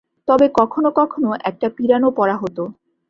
তবে কখনও কখনও একটা পিরানও পরা হত।